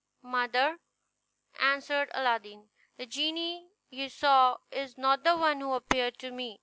"Mother," answered Aladdin, "the genie you saw is not the one who appeared to me.